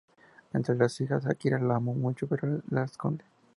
Entre las hijas, Akira lo ama mucho, pero lo esconde.